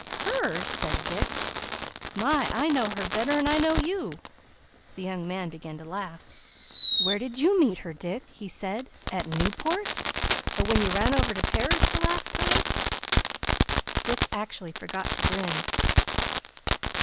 "Her!" said Dick. "My, I know her better 'n I know you!" The young man began to laugh. "Where did you meet her, Dick?" he said. "At Newport? Or when you ran over to Paris the last time?" Dick actually forgot to grin.